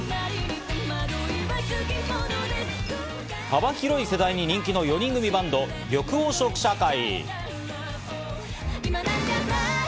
幅広い世代に人気の４人組バンド・緑黄色社会。